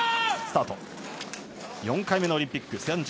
４回目のオリンピック。